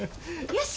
よし。